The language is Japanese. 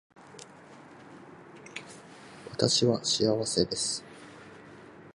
私は幸せです